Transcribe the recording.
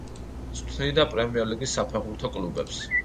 წვრთნიდა პრემიერ-ლიგის საფეხბურთო კლუბებს.